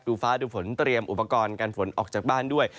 ฟ้าดูฝนเตรียมอุปกรณ์การฝนออกจากบ้านด้วย